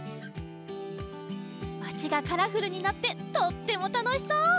まちがカラフルになってとってもたのしそう！